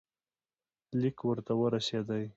لیک ورته ورسېدی.